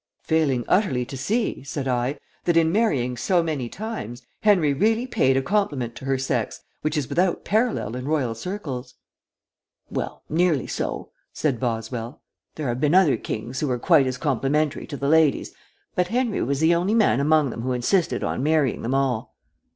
"Failing utterly to see," said I, "that, in marrying so many times, Henry really paid a compliment to her sex which is without parallel in royal circles." "Well, nearly so," said Boswell. "There have been other kings who were quite as complimentary to the ladies, but Henry was the only man among them who insisted on marrying them all."